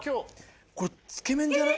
これつけ麺じゃない？